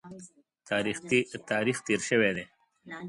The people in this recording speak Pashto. تاریخ تېر شوی دی.